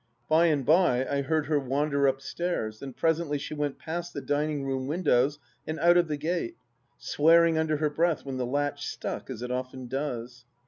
By and by I heard her wander upstairs, and presently she went past the dining room windows and out of the gate, swearing under her breath when the latch stuck, as it often does.